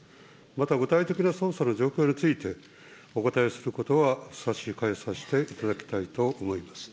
また具体的な捜査の状況について、お答えすることは差し控えさせていただきたいと思います。